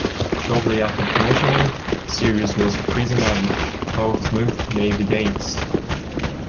Shortly after commissioning "Sirius" was present at Portsmouth Navy Days.